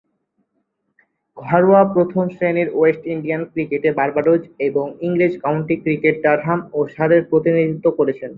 ঘরোয়া প্রথম-শ্রেণীর West Indian ক্রিকেটে বার্বাডোস এবং ইংরেজ কাউন্টি ক্রিকেট ডারহাম ও সারের প্রতিনিধিত্ব করেছেন।